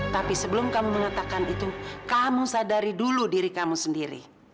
tapi sebelum kamu mengatakan itu kamu sadari dulu diri kamu sendiri